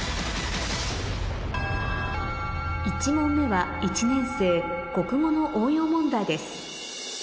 １問目は１年生国語の応用問題です